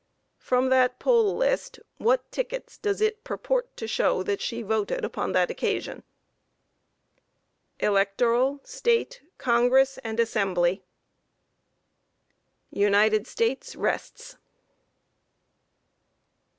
From that poll list what tickets does it purport to show that she voted upon that occasion? A. Electoral, State, Congress and Assembly. _United States rests.